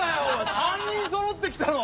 ３人そろって来たの？